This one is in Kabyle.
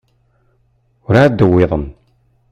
Ur εad d-wwiḍen.